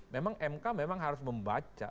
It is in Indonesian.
memang mk memang harus membaca